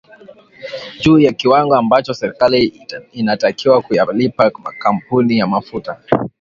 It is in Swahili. juu ya kiwango ambacho serikali inatakiwa kuyalipa makampuni ya mafuta